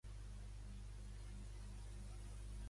Fins i tot hi ha qui es pregunta si no som independents, ja.